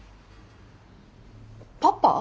パパ？